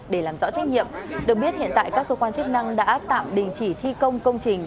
để làm rõ trách nhiệm được biết hiện tại các cơ quan chức năng đã tạm đình chỉ thi công công trình